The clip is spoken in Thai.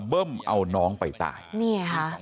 เบิ้มเอาน้องไปตาย